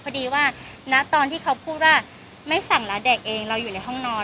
พอดีว่าณตอนที่เขาพูดว่าไม่สั่งแล้วเด็กเองเราอยู่ในห้องนอน